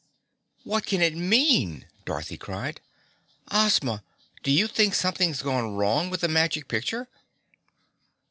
"What can it mean?" Dorothy cried. "Ozma, do you think something's gone wrong with the Magic Picture?"